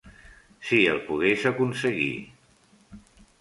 Si el pogués aconseguir!